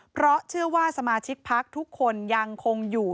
เพราะเชื่อว่าสมาชิกพักทุกคนยังคงอยู่